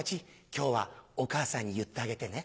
今日はお母さんに言ってあげてね。